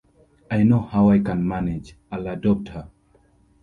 I know how I can manage; I'll adopt her!